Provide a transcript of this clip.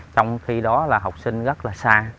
trong khi đó là học sinh rất là xa